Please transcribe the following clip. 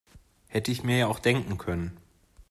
Hätte ich mir ja auch denken können.